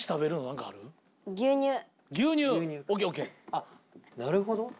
あっなるほど。